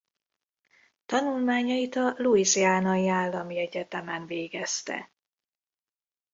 Tanulmányait a Louisianai Állami Egyetemen végezte.